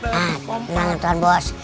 hah menang tuan bos